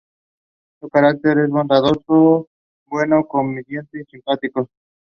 Notable members included the archaeologist Lily Chitty and the botanist Ethel Thomas.